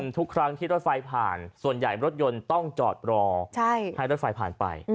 ทุกครั้งที่รถไฟผ่านส่วนใหญ่รถยนต์ต้องจอดรอให้รถไฟผ่านไป